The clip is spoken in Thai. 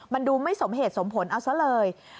มันดูไม่สมเหตุสมผลเอาซะเลย